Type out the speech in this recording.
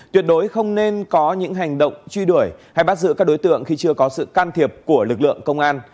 tuyệt đối không nên có những hành động truy đuổi hay bắt giữ các đối tượng khi chưa có sự can thiệp của lực lượng công an